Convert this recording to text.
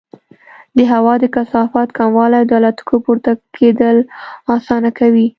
د هوا د کثافت کموالی د الوتکو پورته کېدل اسانه کوي.